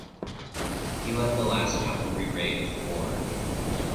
He led the last cavalry raid of the war.